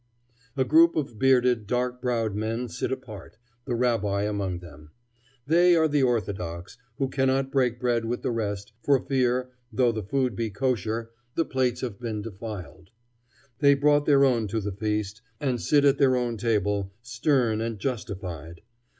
A group of bearded, dark browed men sit apart, the rabbi among them. They are the orthodox, who cannot break bread with the rest, for fear, though the food be kosher, the plates have been defiled. They brought their own to the feast, and sit at their own table, stern and justified.